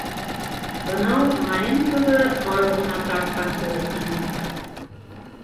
Бынау Маленковы арыу ғына тартҡан кеүек ине.